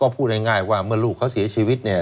พูดง่ายว่าเมื่อลูกเขาเสียชีวิตเนี่ย